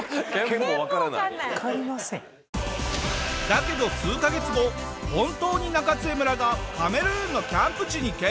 だけど数カ月後本当に中津江村がカメルーンのキャンプ地に決定！